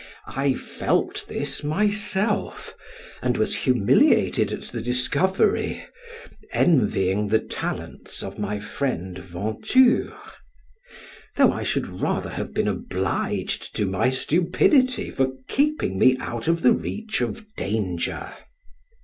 I felt this myself, and was humiliated at the discovery, envying the talents of my friend Venture; though I should rather have been obliged to my stupidity for keeping me out of the reach of danger.